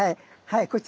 はい。